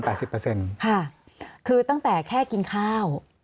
ค่ะคือตั้งแต่แค่กินข้าว